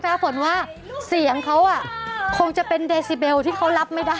ฝนว่าเสียงเขาคงจะเป็นเดซิเบลที่เขารับไม่ได้